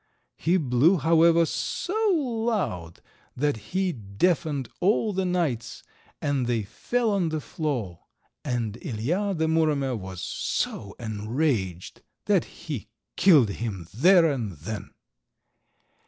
He blew, however, so loud that he deafened all the knights and they fell on the floor, and Ilija, the Muromer, was so enraged that he killed him there and then.